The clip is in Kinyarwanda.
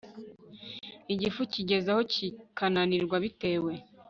Igifu kigeza aho kikananirwa bitewe